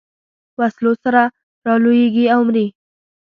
وسلو سره رالویېږي او مري.